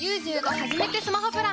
はじめてスマホプラン。